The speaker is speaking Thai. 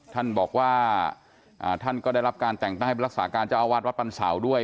ท่านบอกว่าท่านก็ได้รับการแต่งตั้งให้รักษาการเจ้าอาวาสวัดปันเสาด้วย